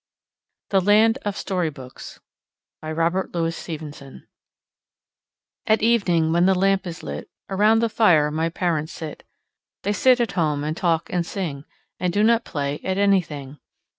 VII The Land of Story Books At evening when the lamp is lit, Around the fire my parents sit; They sit at home and talk and sing, And do not play at anything.